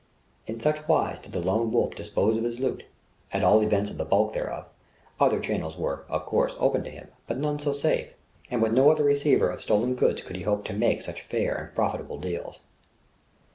In such wise did the Lone Wolf dispose of his loot, at all events of the bulk thereof; other channels were, of course, open to him, but none so safe; and with no other receiver of stolen goods could he hope to make such fair and profitable deals.